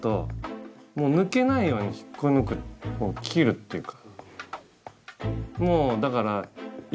切るっていうか。